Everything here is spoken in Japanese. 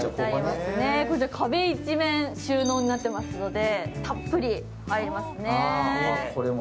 壁一面収納になっていますので、たっぷりありますね。